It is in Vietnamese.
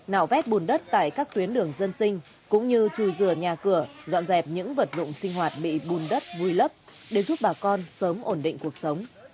nạo vét bùn đất tại các tuyến đường dân sinh cũng như trùi rửa nhà cửa dọn dẹp những vật dụng sinh hoạt bị bùn đất vùi lấp để giúp bà con sớm ổn định cuộc sống